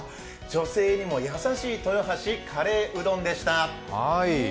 女性にも優しい豊橋カレーうどんでした。